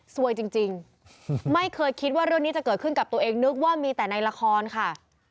จริงไม่เคยคิดว่าเรื่องนี้จะเกิดขึ้นกับตัวเองนึกว่ามีแต่ในละครค่ะ